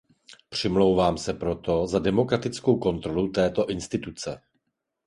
Přimlouvám se proto za demokratickou kontrolu této instituce.